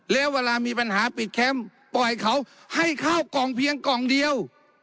แล้วเวลามีปัญหาปิดแคมป์ปล่อยเขาให้ข้าวกล่องเพียงกล่องเดียว